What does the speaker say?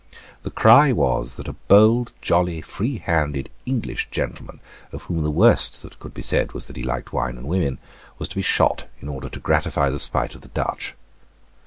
The cry was that a bold, jolly, freehanded English gentleman, of whom the worst that could be said was that he liked wine and women, was to be shot in order to gratify the spite of the Dutch.